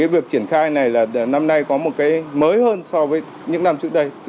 việc triển khai này là năm nay có một cái mới hơn so với những năm trước đây